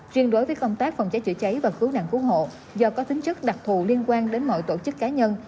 riêng đối với công tác phòng cháy chữa cháy và cứu nạn cứu hộ do có tính chất đặc thù liên quan đến mọi tổ chức cá nhân